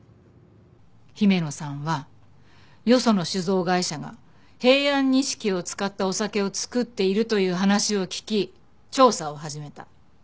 姫野さんはよその酒造会社が平安錦を使ったお酒を造っているという話を聞き調査を始めた。